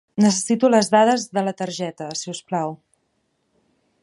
Necessito les dades de la targeta, si us plau.